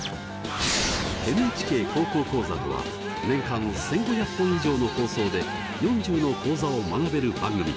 「ＮＨＫ高校講座」とは年間１，５００本以上の放送で４０の講座を学べる番組。